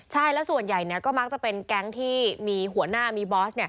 ใช่แล้วส่วนใหญ่ก็มักจะเป็นแก๊งที่มีหัวหน้ามีบอส